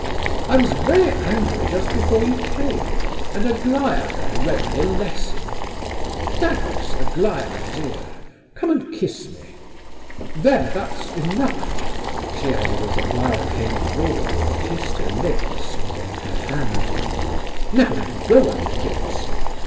I was very angry just before you came, and Aglaya there read me a lesson—thanks, Aglaya, dear—come and kiss me—there—that's enough" she added, as Aglaya came forward and kissed her lips and then her hand. "Now then, go on, prince.